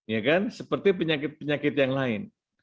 ya kan seperti penyakit penyakit yang lain